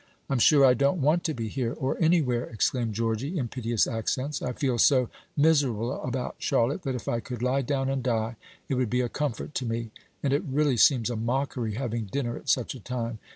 "I'm sure I don't want to be here, or anywhere," exclaimed Georgy in piteous accents; "I feel so miserable about Charlotte, that if I could lie down and die, it would be a comfort to me. And it really seems a mockery having dinner at such a time.